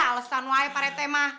halesan woy paretema